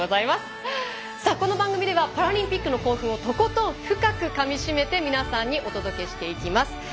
さあ、この番組ではパラリンピックの興奮をとことん深くかみしめて皆さんにお届けします。